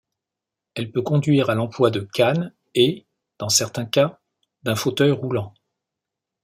Elle peut conduire à l'emploi de cannes, et, dans certains cas, d'un fauteuil roulant.